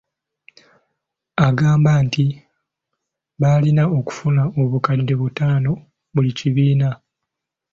Agamba nti baalina okufuna obukadde butaano buli kibiina